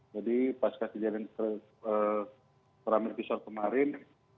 jadi pasca kejadian kmtb kemarin